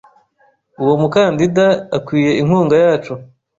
Uwo mukandida akwiye inkunga yacu .